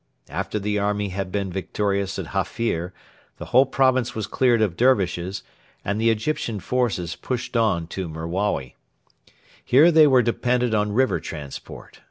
After the army had been victorious at Hafir the whole province was cleared of Dervishes, and the Egyptian forces pushed on to Merawi. Here they were dependent on river transport.